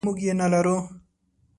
موږ یې نلرو.